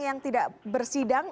yang tidak bersidang